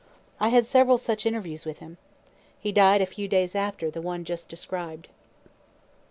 I had several such interviews with him. He died a few days after the one just described.